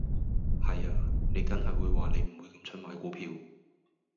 係呀，你緊係會話你唔會咁蠢買股票